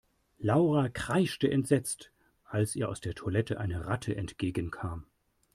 Laura kreischte entsetzt, als ihr aus der Toilette eine Ratte entgegenkam.